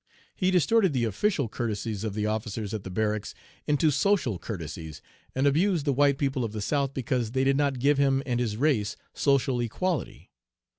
He distorted the official courtesies of the officers at the barracks into social courtesies, and abused the white people of the South because they did not give him and his race social equality.